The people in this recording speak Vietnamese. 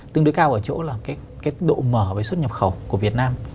tương đối cao ở chỗ là cái độ mở với xuất nhập khẩu của việt nam